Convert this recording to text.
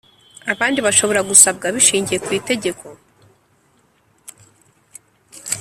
abandi bashobora gusabwa bishingiye kwi tegeko